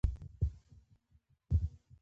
ته لړم یې! زه ښځه یم.